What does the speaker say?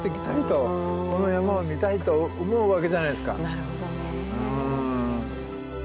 なるほどね。